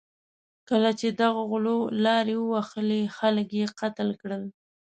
کله چې دغو غلو لارې ووهلې، خلک یې قتل کړل.